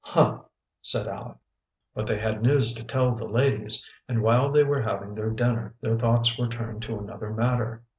"Huh!" said Aleck. But they had news to tell the ladies, and while they were having their dinner their thoughts were turned to another matter.